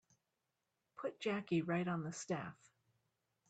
Put Jackie right on the staff.